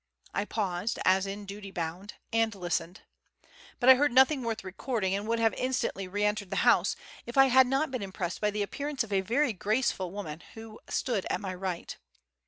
I paused, as in duty bound, and listened. But I heard nothing worth recording, and would have instantly reentered the house, if I had not been impressed by the appearance of a very graceful woman who stood at my right.